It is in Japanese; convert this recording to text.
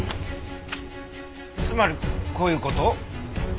つまりこういう事？